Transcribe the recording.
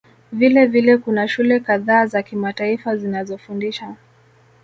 Vilevile kuna shule kadhaa za kimataifa zinazofundisha